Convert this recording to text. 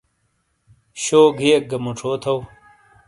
شوگھیئک گا موچھو تھؤ۔